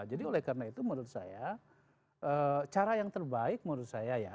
jadi oleh karena itu menurut saya cara yang terbaik menurut saya ya